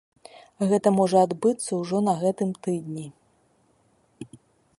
Гэта можа адбыцца ўжо на гэтым тыдні.